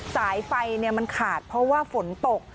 สายไฟมันขาดเพราะว่าฝนตก